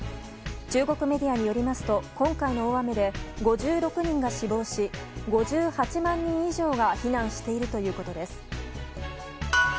中国メディアによりますと今回の大雨で５６人が死亡し、５８万人以上が避難しているということです。